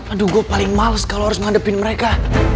aduh gue paling males kalo harus menghadepin mereka